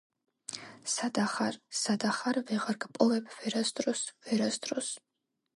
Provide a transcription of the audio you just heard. სადა ხარ სადა ხარ ვეღარ გპოვებ ვერასდროს ... ვერასდროს